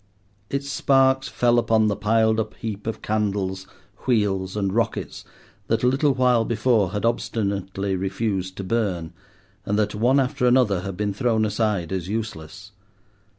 Its sparks fell upon the piled up heap of candles, wheels, and rockets that a little while before had obstinately refused to burn, and that, one after another, had been thrown aside as useless.